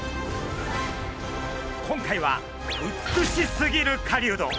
今回は「美しすぎる狩人」